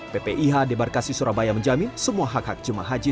ppih debarkasi surabaya menjamin semua hak hak jemaah haji